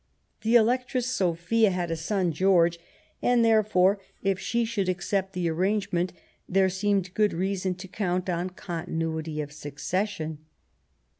The Elec tress Sophia had a son, George, and therefore if she should accept the arrangement there seemed good rea son to count on continuity of succession.